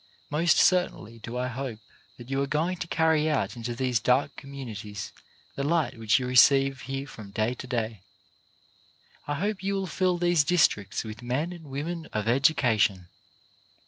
Most certainly do I hope that you are going to carry out into these dark communities the light which you receive here from day to day. I hope you will fill these districts with men and women of education.